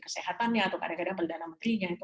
kesehatannya atau kadang kadang perdana menterinya itu